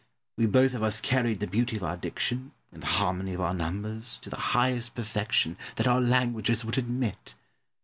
We both of us carried the beauty of our diction, and the harmony of our numbers, to the highest perfection that our languages would admit.